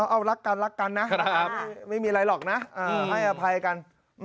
เอารักกันรักกันนะไม่มีอะไรหรอกนะให้อภัยกัน